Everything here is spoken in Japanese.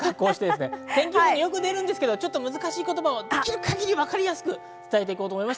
天気予報によく出るんですけど、難しい言葉をできる限り分かりやすく伝えてきます。